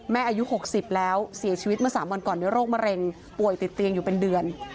อายุ๖๐แล้วเสียชีวิตเมื่อ๓วันก่อนด้วยโรคมะเร็งป่วยติดเตียงอยู่เป็นเดือน